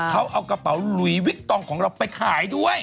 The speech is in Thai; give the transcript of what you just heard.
เขาเอากระเป๋าหลุยวิกตองของเราไปขายด้วย